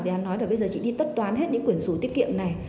thì hắn nói là bây giờ chị đi tất toán hết những quyển sủ tiết kiệm này